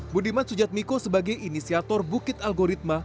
budiman sujatmiko sebagai inisiator bukit algoritma